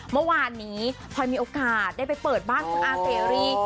เมื่อวานนี้พลอยมีโอกาสได้ไปเปิดบ้านคุณอาเสรี